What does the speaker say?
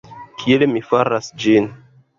Kiel mi faras ĝin?